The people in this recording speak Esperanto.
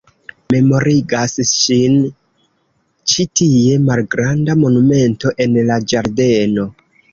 Memorigas ŝin ĉi tie malgranda monumento en la ĝardeno.